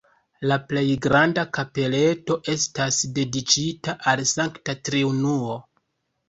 La plej granda kapeleto estas dediĉita al Sankta Triunuo.